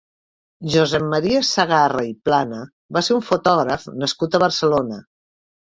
Josep Maria Sagarra i Plana va ser un fotògraf nascut a Barcelona.